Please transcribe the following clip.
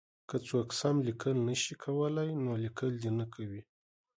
که څوک سم لیکل نه شي کولای نو لیکل دې نه کوي.